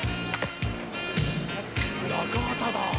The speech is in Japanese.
［中畑だ。